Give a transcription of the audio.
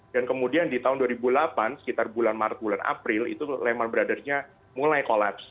dan kemudian di tahun dua ribu delapan sekitar bulan maret bulan april itu lehman brothersnya mulai kolaps